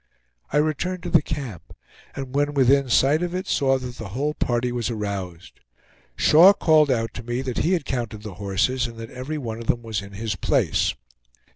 I returned to the camp, and when within sight of it, saw that the whole party was aroused. Shaw called out to me that he had counted the horses, and that every one of them was in his place.